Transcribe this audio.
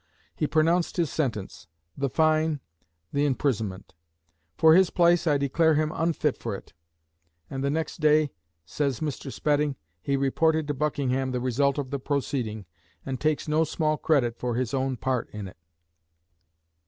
He pronounced his sentence the fine, the imprisonment; "for his place, I declare him unfit for it." "And the next day," says Mr. Spedding, "he reported to Buckingham the result of the proceeding," and takes no small credit for his own part in it.